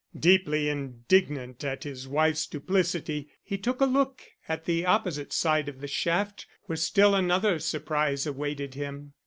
Deeply indignant at his wife's duplicity, he took a look at the opposite side of the shaft where still another surprise awaited him.